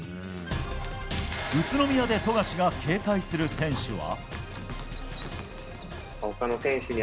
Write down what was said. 宇都宮で富樫が警戒する選手は。